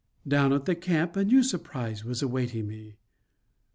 Down at the camp a new surprise was awaiting me.